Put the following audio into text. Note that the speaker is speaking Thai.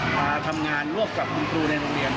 มาทำงานร่วมกับคุณครูในโรงเรียน